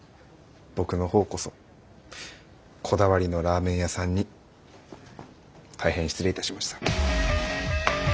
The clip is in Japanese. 僕のほうこそこだわりのラーメン屋さんに大変失礼いたしました。